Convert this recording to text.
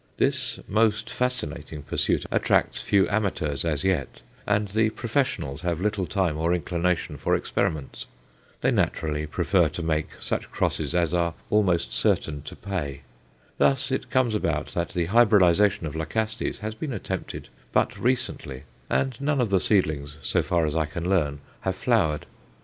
This most fascinating pursuit attracts few amateurs as yet, and the professionals have little time or inclination for experiments. They naturally prefer to make such crosses as are almost certain to pay. Thus it comes about that the hybridization of Lycastes has been attempted but recently, and none of the seedlings, so far as I can learn, have flowered.